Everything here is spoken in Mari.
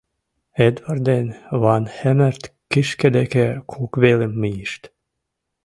Эдвард ден Ван-Хемерт кишке деке кок велым мийышт.